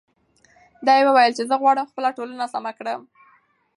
دې وویل چې زه غواړم خپله ټولنه سمه کړم.